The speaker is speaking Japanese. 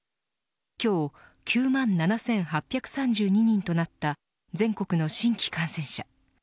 今日９万７８３２人となった全国の新規感染者。